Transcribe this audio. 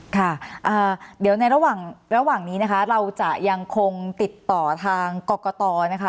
ค่ะเดี๋ยวในระหว่างนี้นะคะเราจะยังคงติดต่อทางกรกตนะคะ